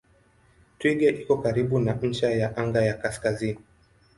Twiga iko karibu na ncha ya anga ya kaskazini.